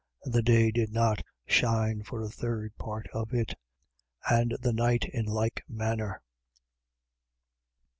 And the day did not shine for a third part of it: and the night in like manner.